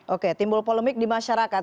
oke timbul polemik di masyarakat